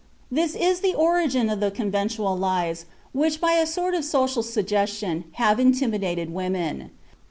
This is the origin of the conventional lies which by a sort of social suggestion have intimidated women.